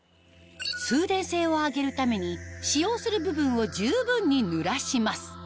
通電性を上げるために使用する部分を十分に濡らします